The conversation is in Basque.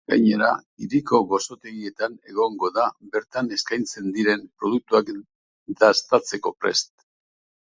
Gainera, hiriko gozotegietan egongo da bertan eskaintzen diren produktuak dastatzeko prest.